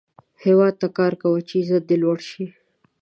هیواد ته کار کوه، چې عزت یې لوړ شي